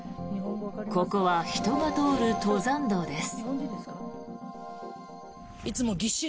ここは人が通る登山道です。